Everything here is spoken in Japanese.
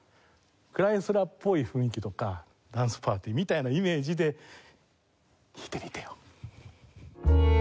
クライスラーっぽい雰囲気とかダンスパーティーみたいなイメージで弾いてみてよ。